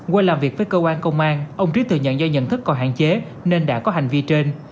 qua làm việc với cơ quan công an ông trí thừa nhận do nhận thức còn hạn chế nên đã có hành vi trên